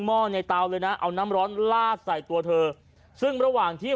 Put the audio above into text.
ห้อในเตาเลยนะเอาน้ำร้อนลาดใส่ตัวเธอซึ่งระหว่างที่